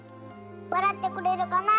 わらってくれるかな？